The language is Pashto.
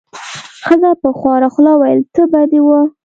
ښځې په خواره خوله وویل: تبه دې وه.